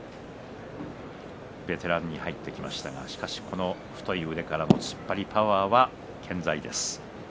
ベテランに入ってきましたがしかしこの太い腕からの突っ張りパワーは健在です。